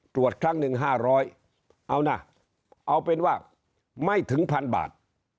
ตรวจครั้งหนึ่ง๕๐๐เอานะเอาเป็นว่าไม่ถึงพันบาท